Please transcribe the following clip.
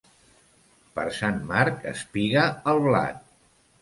Per Sant Marc espiga el blat.